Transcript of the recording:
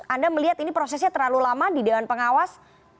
anda melihat ini prosesnya terlalu lama di dewan pengawas